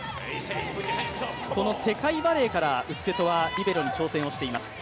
世界バレーから内瀬戸はリベロに挑戦しています。